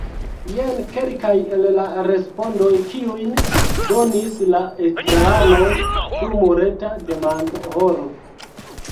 Jen kelkaj el la respondoj, kiujn donis la estraranoj dum reta demandohoro.